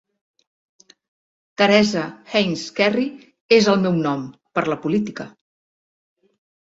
Teresa Heinz Kerry és el meu nom... per a la política.